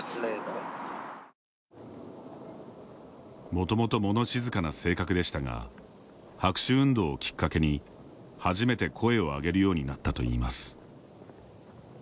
もともと物静かな性格でしたが白紙運動をきっかけに初めて、声を上げるようになったといいます。